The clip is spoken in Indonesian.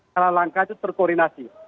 salah langkah itu terkoordinasi